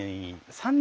３年？